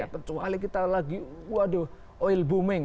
kecuali kita lagi waduh oil booming